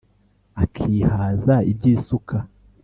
Akihaza iby'isuka: